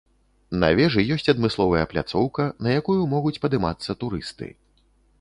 На вежы ёсць адмысловая пляцоўка, на якую могуць падымацца турысты.